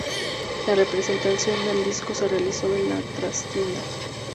La presentación del disco se realizó en La Trastienda.